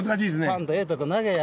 「ちゃんとええとこ投げや」